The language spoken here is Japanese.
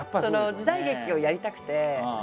時代劇をやりたくて。